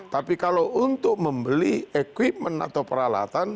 tapi kalau untuk membeli equipment atau peralatan